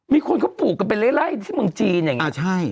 มีคนเขาปลูกกันไปไล่ที่เมืองจีนอย่างนี้